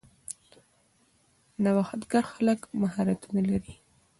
نوښتګر خلک مهارتونه لري.